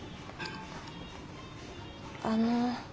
あの。